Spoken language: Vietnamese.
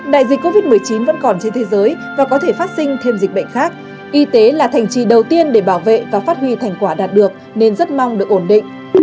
đại dịch covid một mươi chín vẫn còn trên thế giới và có thể phát sinh thêm dịch bệnh khác y tế là thành trì đầu tiên để bảo vệ và phát huy thành quả đạt được nên rất mong được ổn định